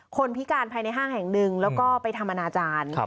พิการภายในห้างแห่งหนึ่งแล้วก็ไปทำอนาจารย์